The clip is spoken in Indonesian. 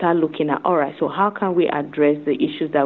baiklah bagaimana kita bisa menangani masalah yang kita hadapi